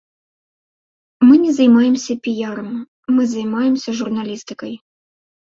Мы не займаемся піярам, мы займаемся журналістыкай.